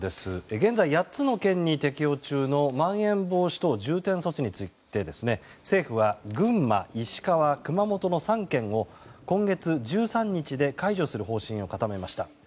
現在、８つの県に適用中のまん延防止等重点措置について政府は群馬、石川、熊本の３県を今月１３日で解除する方針を固めました。